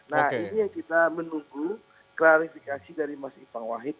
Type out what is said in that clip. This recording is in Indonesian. nah ini yang kita menunggu klarifikasi dari mas ipang wahid